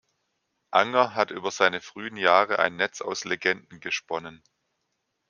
Anger hat über seine frühen Jahre ein Netz aus Legenden gesponnen.